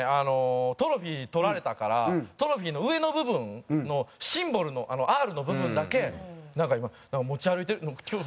トロフィー取られたからトロフィーの上の部分のシンボルの「Ｒ」の部分だけなんか今持ち歩いて今日も持ってきたんですけど。